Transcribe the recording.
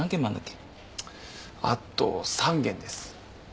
あと３件です。